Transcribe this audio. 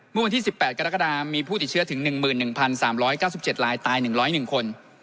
เมื่อวันที่๑๘กรกฎามีผู้ติดเชื้อถึง๑๑๓๙๗ลายตาย๑๐๑คน